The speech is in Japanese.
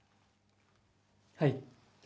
はい。